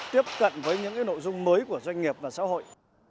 tiếp cận với những nội dung mới của doanh nghiệp và xã hội